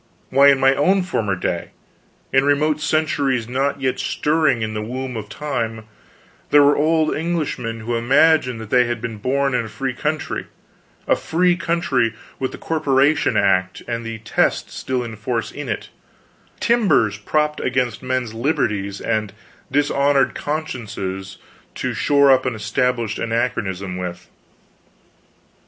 Why, in my own former day in remote centuries not yet stirring in the womb of time there were old Englishmen who imagined that they had been born in a free country: a "free" country with the Corporation Act and the Test still in force in it timbers propped against men's liberties and dishonored consciences to shore up an Established Anachronism with.